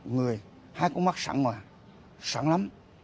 người hai con mắt sẵn mà sẵn lắm